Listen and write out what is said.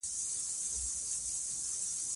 په خپلو داستاني ادبياتو کې چې وينو،